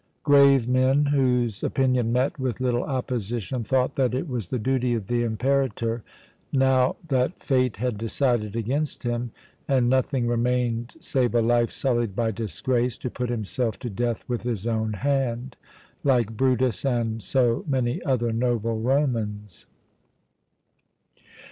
Grave men, whose opinion met with little opposition, thought that it was the duty of the Imperator now that Fate had decided against him, and nothing remained save a life sullied by disgrace to put himself to death with his own hand, like Brutus and so many other noble Romans.